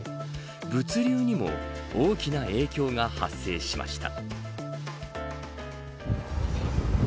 物流にも大きな影響が発生しました。